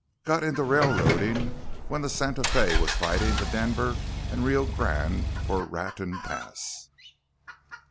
"Got into railroading when the Santa Fe was fighting the Denver & Rio Grande for Raton Pass."